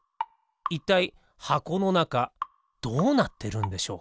いったいはこのなかどうなってるんでしょう？